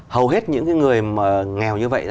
hầu hết những người nghèo như vậy